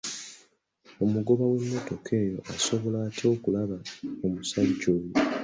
Omugoba w'emmotoka eyo yasobola atya okulaba omusajja oyo?